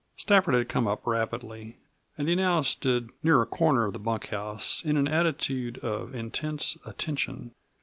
Stafford had come up rapidly, and he now stood near a corner of the bunkhouse in an attitude of intense attention.